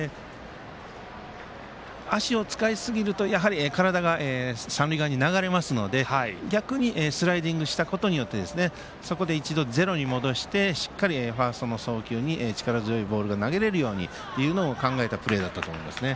足を使いすぎると体が三塁側に流れますので逆にスライディングしたことによってそこで一度、ゼロに戻してしっかりファーストに力強いボールが投げられるようにということを考えたプレーだったと思いますね。